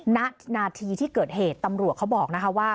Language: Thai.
ณที่เกิดเหตุตำรวจเขาบอกว่า